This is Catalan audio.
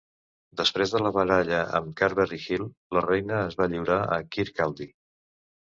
Després de la baralla en Carberry Hill, la reina es va lliurar a Kirkcaldy.